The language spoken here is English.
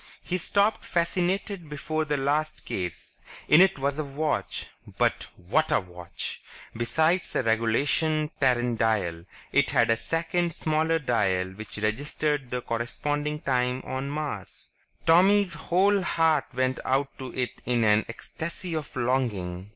He stopped fascinated before the last case. In it was a watch ... but, what a watch! Besides the regulation Terran dial, it had a second smaller dial that registered the corresponding time on Mars. Tommy's whole heart went out to it in an ecstasy of longing.